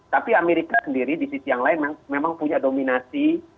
tapi amerika sendiri di sisi yang lain memang punya dominasi